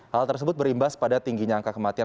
hal tersebut berimbas pada tingginya angka kematian